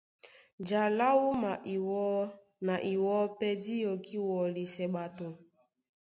Ja lá wúma iwɔ́ na iwɔ́ pɛ́ dí yɔkí wɔlisɛ ɓato .